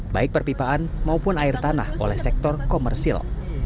baik perpipaan maupun air tanah oleh sektor komersil